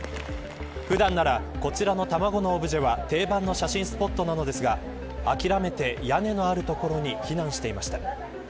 普段ならこちらの卵のオブジェは定番の写真スポットなのですが諦めて、屋根のある所に避難していました。